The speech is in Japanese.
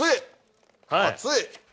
熱い！